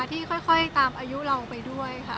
ที่ค่อยตามอายุเราไปด้วยค่ะ